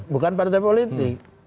bukan partai politik